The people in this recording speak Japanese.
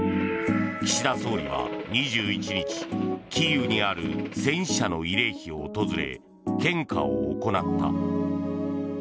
岸田総理は２１日キーウにある戦死者の慰霊碑を訪れ献花を行った。